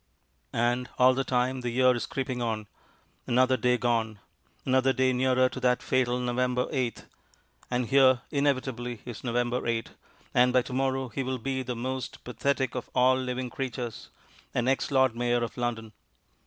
And all the time the year is creeping on. Another day gone. Another day nearer to that fatal November 8.... And here, inevitably, is November 8, and by to morrow he will be that most pathetic of all living creatures, an ex Lord Mayor of London.